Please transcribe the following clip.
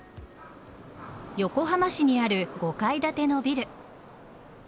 横浜市にある５階建てのビル。